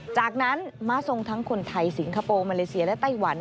จากนั้นม้าทรงทั้งคนไทยสิงคโปร์มาเลเซียและไต้หวัน